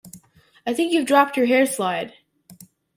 I think you’ve dropped your hair slide